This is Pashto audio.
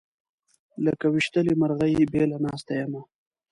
لکه ويشتلې مرغۍ بېله ناسته یمه